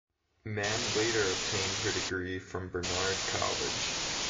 Mann later obtained her degree from Barnard College.